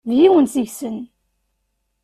D yiwen seg-sen.